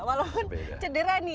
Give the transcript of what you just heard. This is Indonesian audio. walaupun cedera nih